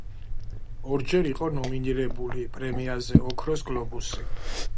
ორჯერ იყო ნომინირებული პრემიაზე „ოქროს გლობუსი“.